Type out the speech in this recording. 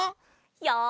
よし！